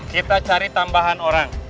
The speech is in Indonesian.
kita cari tambahan orang